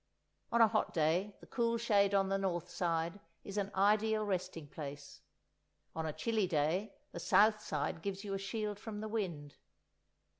On a hot day the cool shade on the north side is an ideal resting place; on a chilly day the south side gives you a shield from the wind.